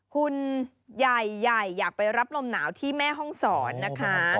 คุณใหญ่อยากไปรับลมหนาวที่แม่ห้องศรนะคะ